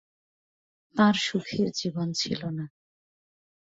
তাঁর সুখের জীবন ছিল না।